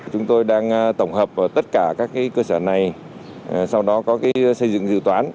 chúng tôi đang tổng hợp vào tất cả các cơ sở này sau đó có xây dựng dự toán